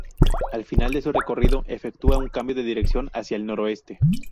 A final de su recorrido, efectúa un cambio de dirección hacia el noroeste.